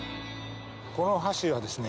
この橋はですね